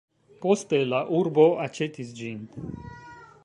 Poste la urbo aĉetis ĝin.